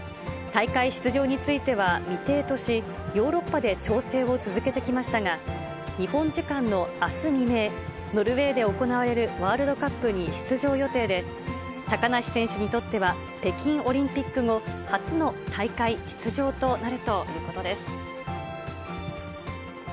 大会出場については、未定とし、ヨーロッパで調整を続けてきましたが、日本時間のあす未明、ノルウェーで行われるワールドカップに出場予定で、高梨選手にとっては、北京オリンピック後初の大会出場となるということです。